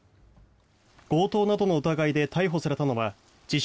強盗などの疑いで逮捕されたのは自称